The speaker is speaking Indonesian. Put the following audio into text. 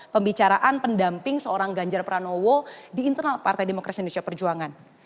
pembicaraan pendamping seorang ganjar pranowo di internal partai demokrasi indonesia perjuangan